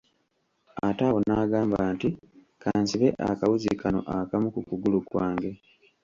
Ate awo n'agamba nti, ka nsibe akawuzi kano akamu ku kugulu kwange.